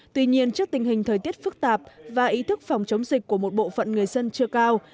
tuy nhiên trước tình hình thời tiết phức tạp và ý thức phòng chống dịch của một bộ phận người dân chưa cao